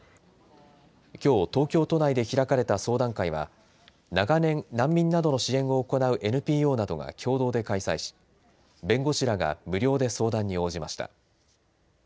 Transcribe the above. きょう東京都内で開かれた相談会は長年、難民などの支援を行うＮＰＯなどが共同で開催し弁護士らが無料で相談に応じました。